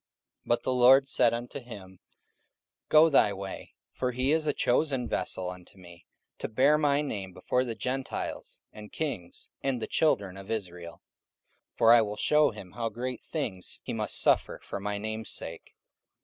44:009:015 But the Lord said unto him, Go thy way: for he is a chosen vessel unto me, to bear my name before the Gentiles, and kings, and the children of Israel: 44:009:016 For I will shew him how great things he must suffer for my name's sake.